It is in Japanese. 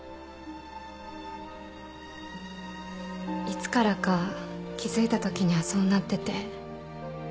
いつからか気付いたときにはそうなってて。